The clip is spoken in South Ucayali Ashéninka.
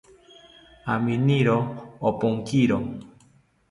Aminiro ompokiro